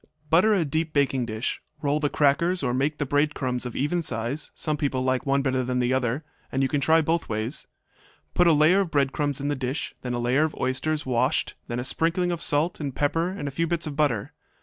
Butter a deep baking dish. Roll the crackers, or make the bread crumbs of even size; some people like one better than the other, and you can try both ways. Put a layer of crumbs in the dish, then a layer of oysters, washed, then a sprinkling of salt and pepper and a few bits of butter.